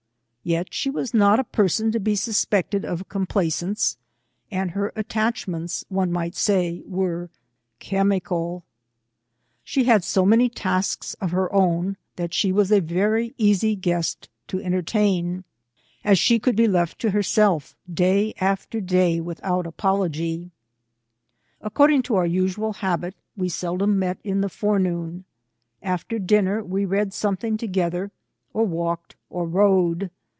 Yet, she was not a person to be suspected of complaisance, and her attachments, one might say, were chemical. She had so many tasks of her own, that she was a very easy guest to entertain, as she could be left to herself, day after day, without apology. CONVERSATION. 291 According to our usual habit, we seldom met in the forenoon. After dinner, we read something together, or walked, or rode.